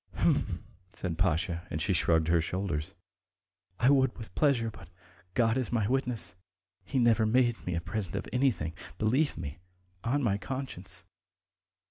"H'm!" said Pasha, and she shrugged her shoulders. "I would with pleasure, but God is my witness, he never made me a present of anything. Believe me, on my conscience.